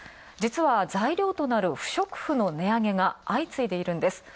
実は材料となる不織布の値上げが相次いでいるんです。